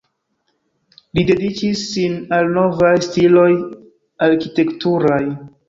Li dediĉis sin al novaj stiloj arkitekturaj.